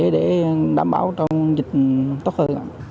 để đảm bảo trong dịch tốt hơn